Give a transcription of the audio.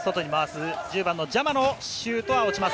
１０番のジャマのシュートは落ちます。